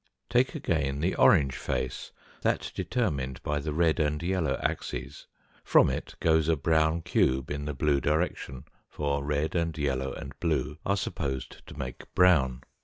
Take again the orange face, that determined by the red and yellow axes ; from it goes a brown cube in the blue direction, for red and yellow and blue are supposed to make brown.